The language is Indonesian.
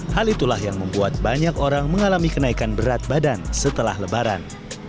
hal itulah yang membuat banyak orang mengalami kenaikan berat badan setelah lebaran